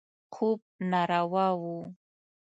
خوب ناروا و.